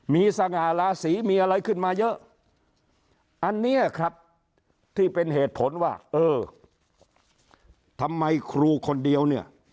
มีสง่าลาศีมีอะไรขึ้นมาเยอะอันนี้ครับที่เป็นเหตุผลว่าเออทำไมครูคนเดียวเนี่ย